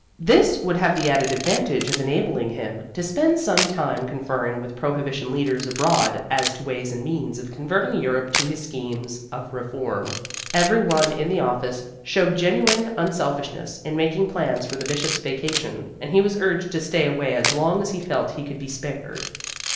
This would have the added advantage of enabling him to spend some time conferring with prohibition leaders abroad as to ways and means of converting Europe to his schemes of reform. Everyone in the office showed genuine unselfishness in making plans for the Bishop's vacation, and he was urged to stay away as long as he felt he could be spared.